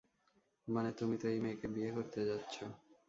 মানে তুমি তো এই মেয়েকে বিয়ে করতে যাচ্ছো।